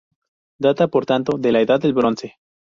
Data, por tanto, de la Edad del Bronce.